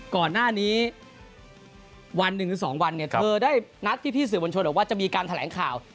ก่อนหน้านี้วันหนึ่งหรือสองวันเธอได้นัดที่พี่สื่อบัญชนออกว่าจะมีการแถลงข่าว